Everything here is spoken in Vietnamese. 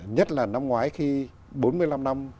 nhất là năm ngoái khi bốn mươi năm năm